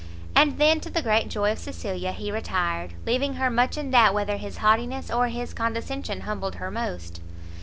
And then, to the great joy of Cecilia, he retired; leaving her much in doubt whether his haughtiness or his condescension humbled her most.